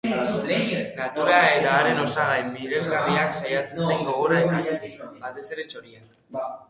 Natura eta haren osagai miresgarriak saiatzen zen gogora ekartzen, batez ere txoriak.